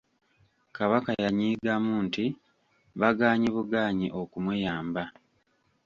Kabaka yanyiigamu nti bagaanyi bugaanyi okumuyamba.